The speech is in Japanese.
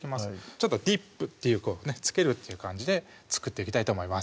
ちょっとディップっていうこうねつけるっていう感じで作っていきたいと思います